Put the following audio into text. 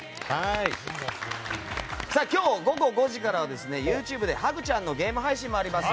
今日午後５時からはハグちゃんのゲーム配信もあります。